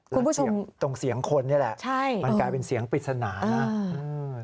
คุณผู้ชมตรงเสียงคนนี่แหละมันกลายเป็นเสียงปริศนานะ